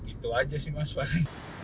itu aja sih mas wali